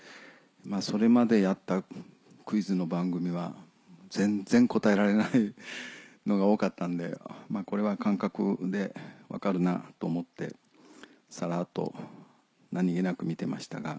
それまでやったクイズの番組は全然答えられないのが多かったんでこれは感覚で分かるなと思ってサラっと何げなく見てましたが。